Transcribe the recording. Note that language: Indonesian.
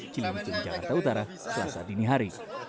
cilin cimjabata utara selasa dini hari